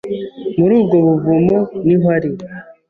muri ubwo buvumo niho ari